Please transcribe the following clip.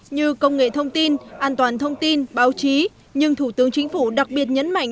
như công nghệ thông tin an toàn thông tin báo chí nhưng thủ tướng chính phủ đặc biệt nhấn mạnh